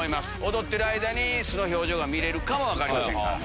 踊ってる間に素の表情が見れるかも分かりませんから。